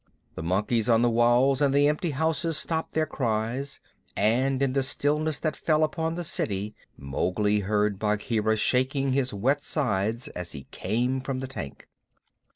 The monkeys on the walls and the empty houses stopped their cries, and in the stillness that fell upon the city Mowgli heard Bagheera shaking his wet sides as he came up from the tank.